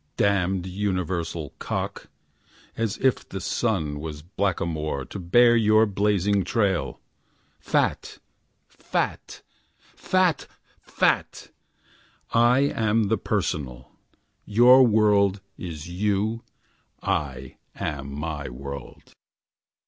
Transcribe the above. Damned universal cock, as if the sun Was blackamoor to bear your blazing tail. Fat! Fat! Fat! Fat! I am the personal. Your world is you. I am my world.